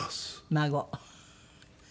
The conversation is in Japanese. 孫。